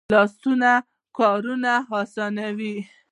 لاسونه کارونه آسانوي